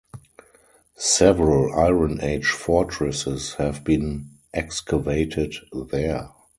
Several Iron Age fortresses have been excavated there.